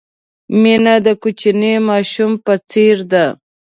مینه د کوچني ماشوم په څېر ده.